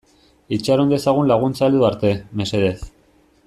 Itxaron dezagun laguntza heldu arte, mesedez.